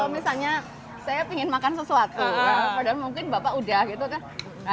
misalnya saya ingin makan sesuatu padahal mungkin bapak udah gitu kan